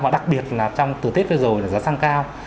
và đặc biệt là trong từ tết tới rồi là giá xăng cao